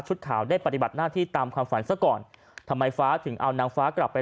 ข่าวได้ปฏิบัติหน้าที่ตามความฝันซะก่อนทำไมฟ้าถึงเอานางฟ้ากลับไป